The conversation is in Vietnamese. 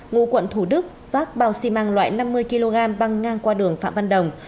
ngụ quận thủ đức vác bao xi măng loại năm mươi kg băng ngang qua đường phạm văn đồng